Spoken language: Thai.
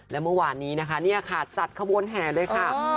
และเมื่อวานนี้นะคะจัดขบวนแห่ด้วยค่ะ